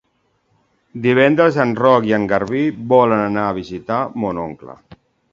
Divendres en Roc i en Garbí volen anar a visitar mon oncle.